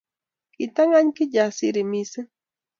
Kitangany Kijasiri missing